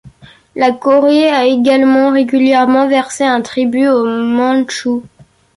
La Corée a également régulièrement versé un tribut aux Mandchous.